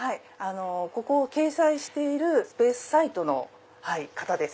ここを掲載しているサイトの方です。